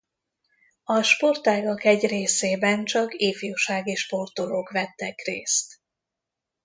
A sportágak egy részében csak ifjúsági sportolok vettek részt.